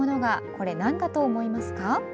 これ、なんだと思いますか？